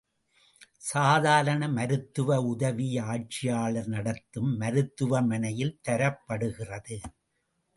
சாதாரண மருத்துவ உதவி ஆட்சியாளர் நடத்தும் மருத்துவமனையில் தரப்படுகிறது.